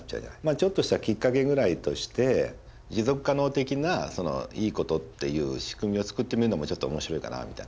ちょっとしたきっかけぐらいとして持続可能的ないいことっていう仕組みを作ってみるのもちょっと面白いかなみたいな。